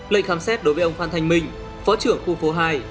lệnh khám xét đối với ông phan thanh minh phó trưởng khu phố hai